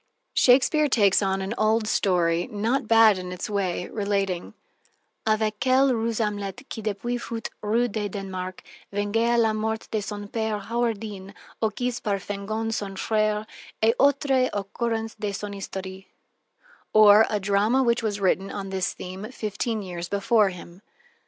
Shakespeare takes an old story, not bad in its way, relating: "Avec quelle ruse Amlette qui depuis fut Roy de Dannemarch, vengea la mort de son père Horwendille, occis par Fengon son frère, et autre occurrence de son histoire," or a drama which was written on this theme fifteen years before him.